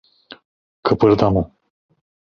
Kıpırdama.